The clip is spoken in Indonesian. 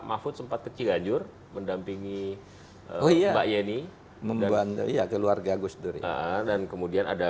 mahfud sempat ke ciganjur mendampingi oh iya mbak yeni membuatnya keluarga gus duri dan kemudian ada